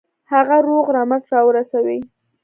هغه روغ رمټ را ورسوي.